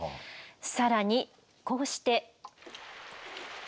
更にこうして。